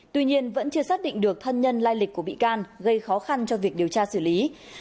tuy nhiên vẫn chưa xác định được thân nhân lai lịch của bị can gây khó khăn cho việc điều tra xử lý